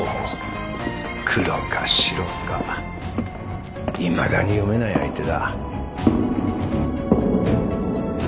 黒か白かいまだに読めない相手だ。